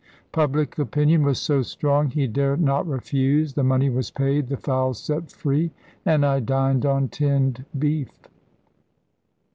Public opinion was so strong he dare not refuse. The money was paid, the fowls set free, and I dined on tinned beef.